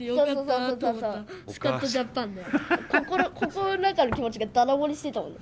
心の中の気持ちがダダ漏れしてたもんね。